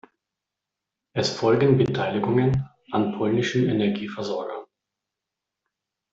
Es folgen Beteiligungen an polnischen Energieversorgern.